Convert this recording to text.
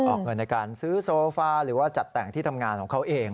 ออกเงินในการซื้อโซฟาหรือว่าจัดแต่งที่ทำงานของเขาเอง